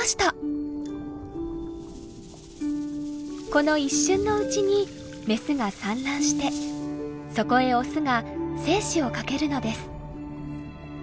この一瞬のうちにメスが産卵してそこへオスが精子をかけるのです。